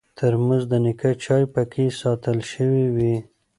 ترموز د نیکه چای پکې ساتل شوی وي.